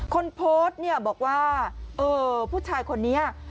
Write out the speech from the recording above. คนโพสต์บอกว่าผู้ชายคนนี้